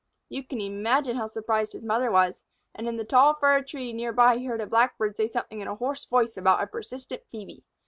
You can imagine how surprised his mother was. And in the tall fir tree near by he heard a Blackbird say something in a hoarse voice about a persistent Phœbe.